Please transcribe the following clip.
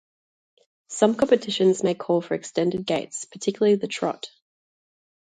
Some competitions may call for extended gaits, particularly the trot.